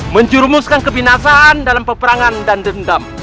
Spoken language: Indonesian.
menjurumuskan kebinasaan dalam peperangan dan dendam